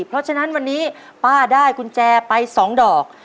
เพราะฉะนั้นวันนี้ป้าได้กุญแจไป๒ดอก